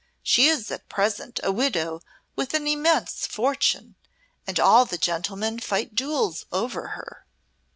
She is at present a widow with an immense fortune, and all the gentlemen fight duels over her."